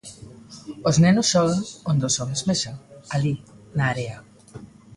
"Os nenos xogan onde os homes mexan, alí, na area".